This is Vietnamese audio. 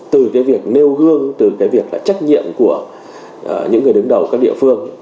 từ cái việc nêu gương từ cái việc là trách nhiệm của những người đứng đầu các địa phương